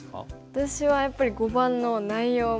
私はやっぱり碁盤の内容を見て。